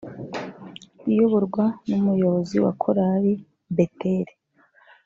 iyoborwa n’umuyobozi wa korali Bether